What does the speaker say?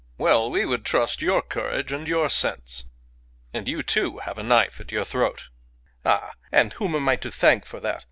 "Well, we would trust your courage and your sense. And you, too, have a knife at your throat." "Ah! And whom am I to thank for that?